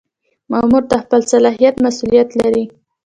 مامور د خپل صلاحیت مسؤلیت لري.